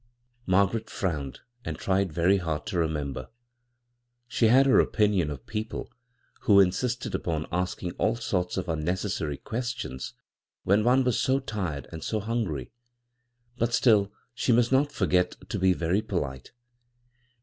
" Margaret frowned and tried very hard to remember. She had her opinion of people who insisted upon asking all sorts of un necessary questions when one was so tired and so hungry ; but still, she must not forget to be very polite.